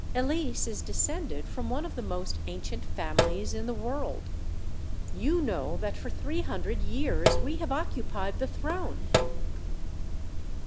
Elise is descended from one of the most ancient families in the world. You know that for three hundred years we have occupied the throne."